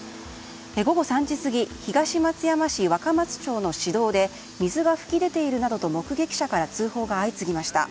午後３時過ぎ東松山市若松町の市道で水が噴き出ているなどと目撃者から通報が相次ぎました。